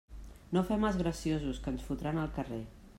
No fem els graciosos, que ens fotran al carrer.